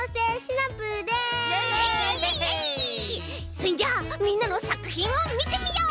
そんじゃあみんなのさくひんをみてみよう！